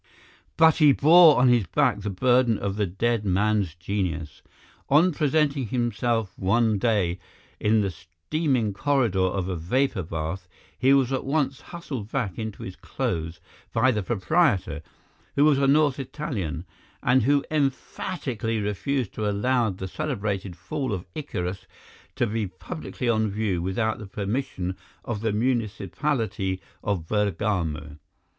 "But he bore on his back the burden of the dead man's genius. On presenting himself one day in the steaming corridor of a vapour bath, he was at once hustled back into his clothes by the proprietor, who was a North Italian, and who emphatically refused to allow the celebrated Fall of Icarus to be publicly on view without the permission of the municipality of Bergamo.